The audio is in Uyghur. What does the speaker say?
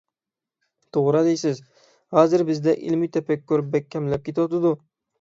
توغرا دەيسىز، ھازىر بىزدە ئىلمىي تەپەككۇر بەك كەملەپ كېتىۋاتىدۇ.